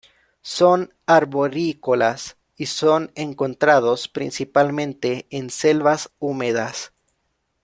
Son arborícolas, y son encontrados principalmente en selvas húmedas.